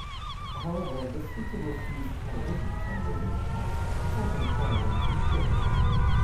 However, the Speaker refused television cameras in the House citing parliamentary privilege.